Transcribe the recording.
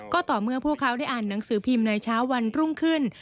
ก็ต่อเมื่อพวกเขาได้อ่านหนังสือพิมพ์ในเช้าวันรุ่งขึ้น